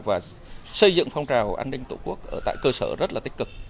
và xây dựng phong trào an ninh tổ quốc tại cơ sở rất là tích cực